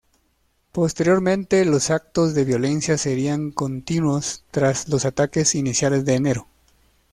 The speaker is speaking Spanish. Posteriormente, los actos de violencia serían continuos tras los ataques iniciales de enero.